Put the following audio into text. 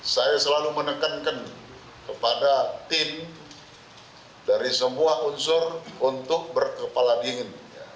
saya selalu menekankan kepada tim dari semua unsur untuk berkepala dingin